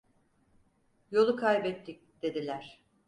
"Yolu kaybettik!" dediler.